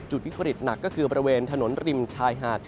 วิกฤตหนักก็คือบริเวณถนนริมชายหาด